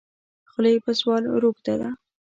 خوله یې په سوال روږده ده.